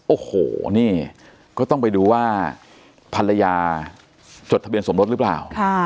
โอ้โหนี่ก็ต้องไปดูว่าภรรยาจดทะเบียนสมรสหรือเปล่า